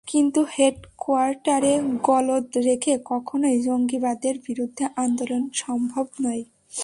কিন্তু হেড কোয়ার্টারে গলদ রেখে কখনোই জঙ্গিবাদের বিরুদ্ধে আন্দোলন সম্ভব নয়।